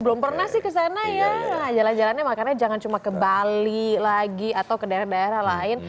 belum pernah sih kesana ya jalan jalannya makannya jangan cuma ke bali lagi atau ke daerah daerah lain